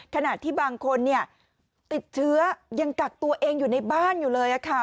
ขณะที่บางคนเนี่ยติดเชื้อยังกักตัวเองอยู่ในบ้านอยู่เลยค่ะ